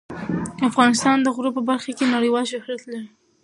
افغانستان د غرونه په برخه کې نړیوال شهرت لري.